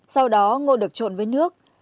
sau đó ngô được trộn với nước